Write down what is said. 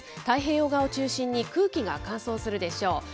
太平洋側を中心に空気が乾燥するでしょう。